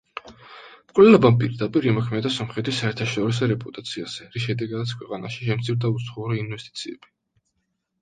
მკვლელობამ პირდაპირ იმოქმედა სომხეთის საერთაშორისო რეპუტაციაზე, რის შედეგადაც ქვეყანაში შემცირდა უცხოური ინვესტიციები.